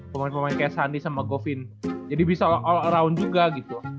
pemain pemain kayak sandi sama govin jadi bisa all around juga gitu